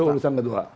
itu urusan ketua